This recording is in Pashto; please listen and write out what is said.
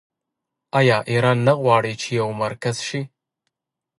آیا ایران نه غواړي چې یو مرکز شي؟